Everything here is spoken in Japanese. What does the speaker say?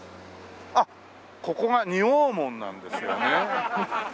あっここが二王門なんですよね。